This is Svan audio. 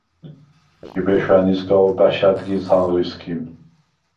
ჟიბე შვა̈ნისგა ობა̈შ ა̈დგილს ანღრი სგიმ.